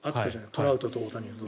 トラウトと大谷の時。